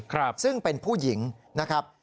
ครับซึ่งเป็นผู้หญิงนะครับ